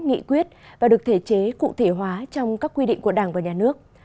nghị quyết và được thể chế cụ thể hóa trong các quy định của đảng và nhà nước